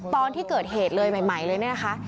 ตอนที่เกิดเหตุเลยใหม่เลยเนี่ยนะคะ